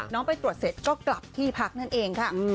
ไปตรวจเสร็จก็กลับที่พักนั่นเองค่ะ